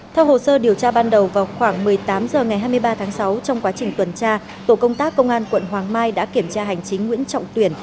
theo hồ sơ điều tra ban đầu vào khoảng một mươi tám h ngày hai mươi ba tháng sáu trong quá trình tuần tra tổ công tác công an quận hoàng mai đã kiểm tra hành chính nguyễn trọng tuyển